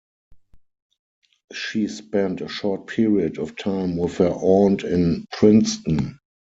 She spent a short period of time with her aunt in Princeton.